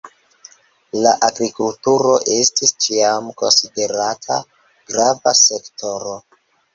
La agrikulturo estis ĉiam konsiderata grava sektoro.